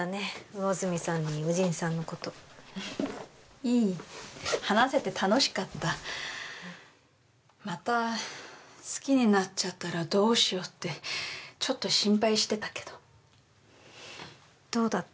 魚住さんに祐鎮さんのこといい話せて楽しかったまた好きになっちゃったらどうしようってちょっと心配してたけどどうだった？